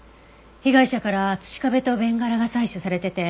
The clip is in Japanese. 被害者から土壁とベンガラが採取されてて。